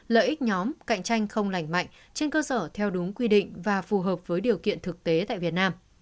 lợi ích nhóm cạnh tranh không lành mạnh trên cơ sở theo đúng quy định và phù hợp với điều kiện thực tế tại việt nam